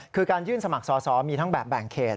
คือการยื่นสมัครสอสอมีทั้งแบบแบ่งเขต